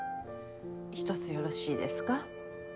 ひとつよろしいですか？